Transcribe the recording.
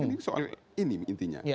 ini soal ini intinya